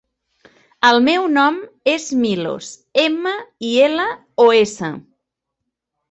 El meu nom és Milos: ema, i, ela, o, essa.